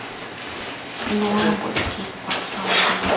Nuambocquid cuesombi